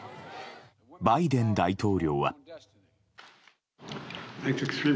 バイデン大統領は。